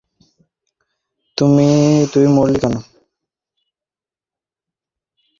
তুই কেন মরলি না!